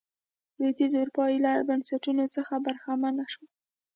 لوېدیځه اروپا ایله بنسټونو څخه برخمنه شوه.